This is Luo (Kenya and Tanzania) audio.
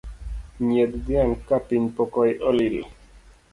Nyiedh dhiang’ kapiny pok olil.